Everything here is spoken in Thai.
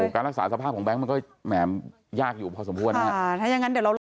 แล้วก็การรักษาสภาพของแบงค์มันก็แหม่มยากอยู่พอสมบูรณ์นะ